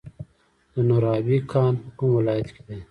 د نورابې کان په کوم ولایت کې دی؟